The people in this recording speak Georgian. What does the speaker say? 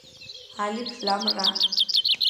ალიფ ლამ რა.